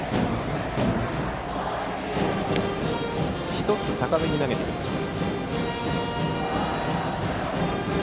１つ、高めに投げてきました。